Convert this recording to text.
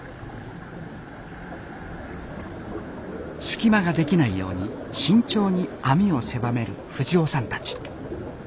隙間ができないように慎重に網を狭める藤夫さんたち。